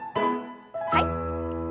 はい。